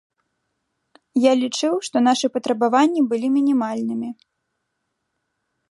Я лічыў, што нашы патрабаванні былі мінімальнымі.